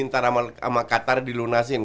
ntar sama katar dilunasin